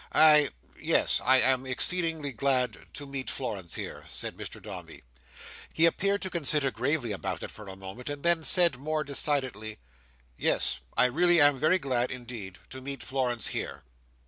"I—yes, I am exceedingly glad to meet Florence here," said Mr Dombey. He appeared to consider gravely about it for a moment, and then said, more decidedly, "Yes, I really am very glad indeed to meet Florence here."